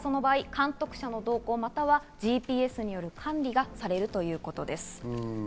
その場合、監督者の同行やＧＰＳによる管理がされるということです。